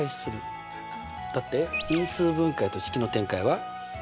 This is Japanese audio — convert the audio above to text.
だって因数分解と式の展開は？